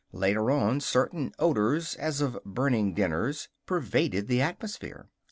Later on certain odors, as of burning dinners, pervaded the atmosphere.